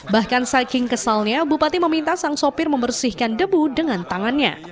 bahkan saking kesalnya bupati meminta sang sopir membersihkan debu dengan tangannya